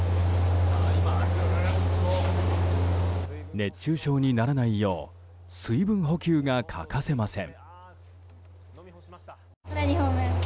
熱中症にならないよう水分補給が欠かせません。